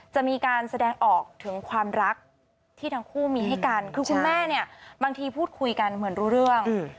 จะมีการแสดงออกถึงความรักที่ทั้งคู่มีให้กันคือคุณแม่เนี่ยบางทีพูดคุยกันเหมือนรู้เรื่อง